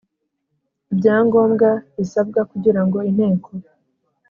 Ibyangombwa bisabwa kugira ngo inteko